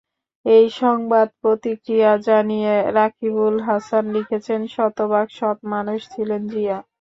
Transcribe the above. এই সংবাদে প্রতিক্রিয়া জানিয়ে রাকিবুল হাসান লিখেছেন শতভাগ সৎ মানুষ ছিলেন জিয়া।